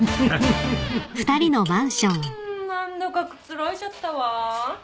うん何だかくつろいじゃったわ。